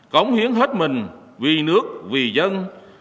cống hiến hết mình vì nước vì dân